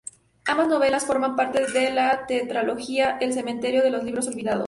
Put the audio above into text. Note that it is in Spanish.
Ambas novelas forman parte de la tetralogía "El cementerio de los libros olvidados".